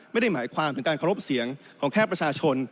ไม่ได้หมายความถึงการเคารพเสียงของแค่ประชาชน